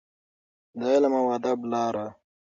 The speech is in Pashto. د علم او ادب لاره.